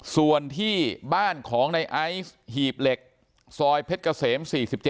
ส่วนที่บ้านของในไอซ์หีบเหล็กซอยเพชรเกษม๔๗